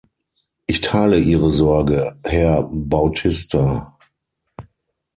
Ich teile Ihre Sorge, Herr Bautista.